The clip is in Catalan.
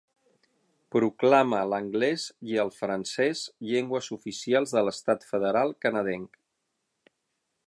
Proclama l'anglès i al francès llengües oficials de l'Estat federal canadenc.